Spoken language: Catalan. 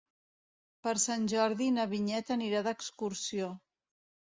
Per Sant Jordi na Vinyet anirà d'excursió.